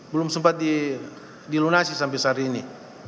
belum sempat dilunasi sampai saat ini